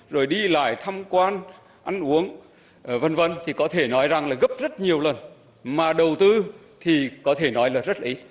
rồi đi lại thăm quan ăn uống v v thì có thể nói rằng là gấp rất nhiều lần mà đầu tư thì có thể nói là rất là ít